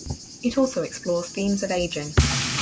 It also explores themes of aging.